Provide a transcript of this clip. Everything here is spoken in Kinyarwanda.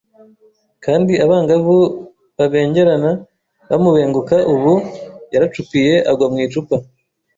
Kandi abangavu babengerana bamubengukaUbu yaracupiye agwa mu icupa